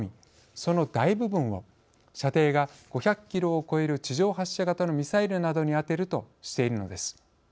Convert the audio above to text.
その大部分を射程が５００キロを超える地上発射型のミサイルなどに充てるとしているのです。